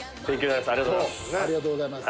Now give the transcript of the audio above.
ありがとうございます！